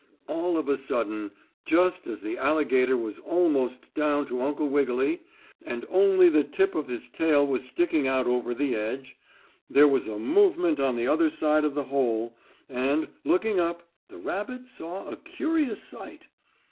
All of a sudden, just as the alligator was almost down to Uncle Wiggily, and only the tip of his tail was sticking out over the edge, there was a movement on the other side of the hole, and, looking up, the rabbit saw a curious sight.